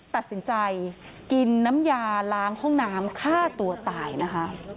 ตัดสินใจกินน้ำยาล้างห้องน้ำฆ่าตัวตายนะคะ